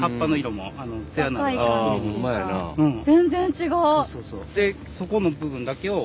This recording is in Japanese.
全然違う！